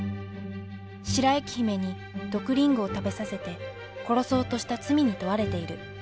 白雪姫に毒リンゴを食べさせて殺そうとした罪に問われている。